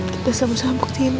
kita sambut sambut ini